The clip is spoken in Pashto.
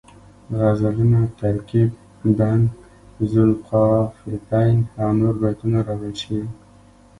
غزلونه، ترکیب بند ذوالقافیتین او نور بیتونه راوړل شوي